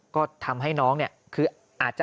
ก็ทำให้น้องคืออาจจะ